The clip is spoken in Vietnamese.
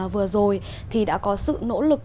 vừa rồi thì đã có sự nỗ lực